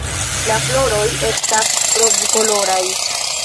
La floroj estas rozkoloraj.